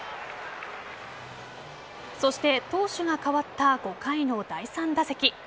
そして、投手が代わった５回の第３打席。